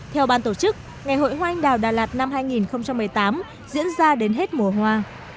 theo ban tổ chức ngày hội hoa anh đào đà lạt năm hai nghìn một mươi tám diễn ra đến hết mùa hoa